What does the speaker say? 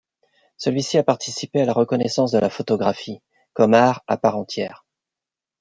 Celui-ci a participé à la reconnaissance de la photographie comme art à part entière.